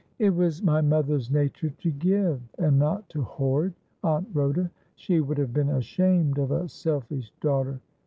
' It was my mother's nature to give, and not to hoard. Aunt Rhoda. She would have been ashamed of a selfish daughter.